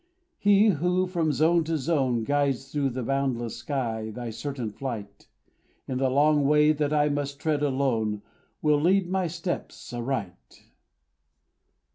He who, from zone to zone, Guides through the boundless sky thy certain flight, In the long way that I must tread alone, Will lead my steps aright.